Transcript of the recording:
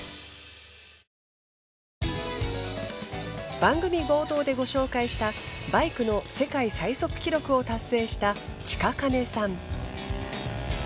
番組冒頭でご紹介したバイクの世界最速記録を達成した近兼さん。